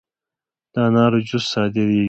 د انارو جوس صادریږي؟